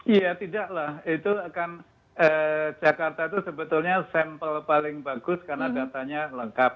iya tidak lah itu akan jakarta itu sebetulnya sampel paling bagus karena datanya lengkap